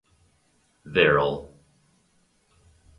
Verrill.